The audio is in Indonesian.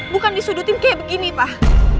bukan disudutin kayak begini pak